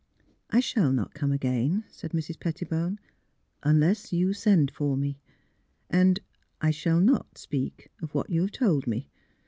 *' I shall not come again," said Mrs. Pettibone, '' unless you send for me. And — I shall not speak of what you have told me.